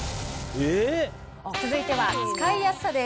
続いては、使いやすさです。